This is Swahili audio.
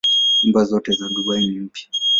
Nyumba zote za Dubai ni mpya.